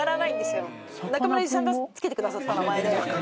中村ゆうじさんが付けてくださった名前で。